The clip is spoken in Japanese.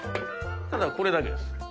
ただこれだけです。